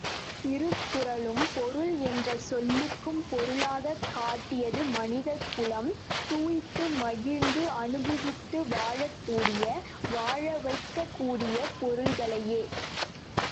திருக்குறளும் பொருள் என்ற சொல்லுக்கும் பொருளாகக் காட்டியது மனிதகுலம் துய்த்து மகிழ்ந்து அனுபவித்து வாழக்கூடிய, வாழவைக்கக் கூடிய பொருள்களையே.